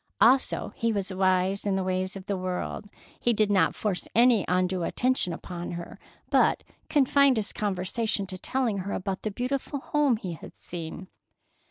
Also, he was wise in the ways of the world, he did not force any undue attention upon her, but confined his conversation to telling her about the beautiful home he had seen.